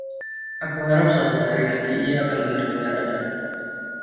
Aku harap suatu hari nanti ia akan benar-benar ada.